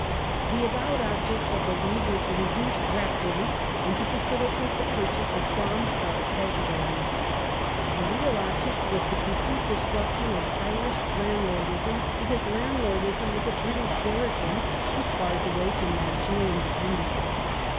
The avowed objects of the League were to reduce rack rents, and to facilitate the purchase of farms by the cultivators. The real object was " the complete destruc tion of Irish landlordism ... because landlordism was a British garrison which barred the way to national independence".